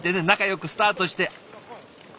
仲よくスタートして。